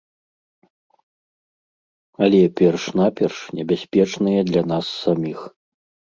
Але перш-наперш небяспечныя для нас саміх.